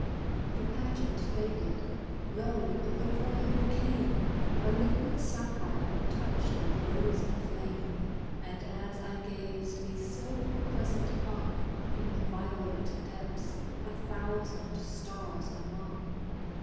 The pageant faded. Lo ! the pearl became A liquid sapphire, touched with rosy flame ; And as I gazed, a silver crescent hung In violet depths, a thousand stars among.